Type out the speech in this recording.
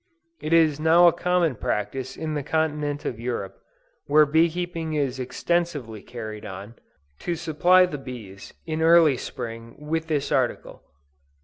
It is now a common practice on the continent of Europe, where bee keeping is extensively carried on, to supply the bees, in early spring, with this article.